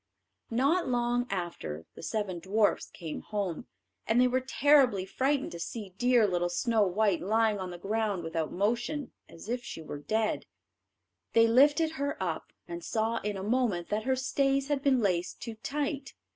Not long after, the seven dwarfs came home, and they were terribly frightened to see dear little Snow white lying on the ground without motion, as if she were dead. They lifted her up, and saw in a moment that her stays had been laced too tight.